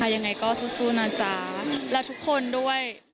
ยังไงก็สู้นะจ๊ะและทุกคนด้วย